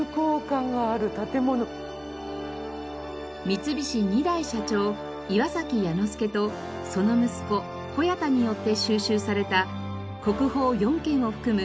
三菱２代社長岩彌之助とその息子小彌太によって収集された国宝４件を含む